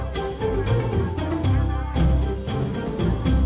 เพื่อนรับทราบ